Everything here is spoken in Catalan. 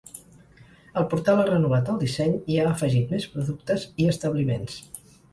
El portal ha renovat el disseny, i ha afegit més productes i establiments.